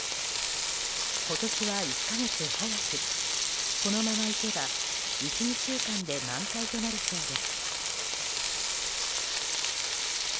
今年は１か月早くこのままいけば１２週間で満開となるそうです。